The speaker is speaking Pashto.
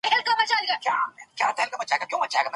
هر انسان د خپلي ټولني پر وړاندي مسؤليت لري.